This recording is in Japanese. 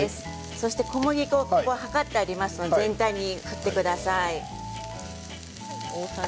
そして小麦粉を量ってありますので全体に振ってください。